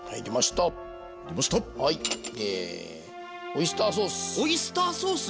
オイスターソース。